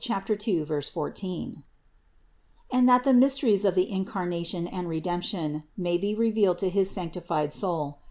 2, 14), and that the mysteries of the Incarnation and Redemption may be revealed to his sanctified soul.